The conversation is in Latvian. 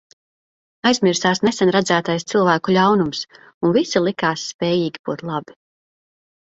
Aizmirsās nesen redzētais cilvēku ļaunums, un visi likās spējīgi būt labi.